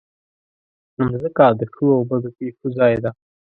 مځکه د ښو او بدو پېښو ځای ده.